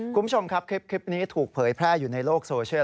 คุณผู้ชมครับคลิปนี้ถูกเผยแพร่อยู่ในโลกโซเชียล